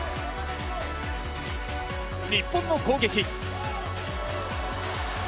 日本の攻撃。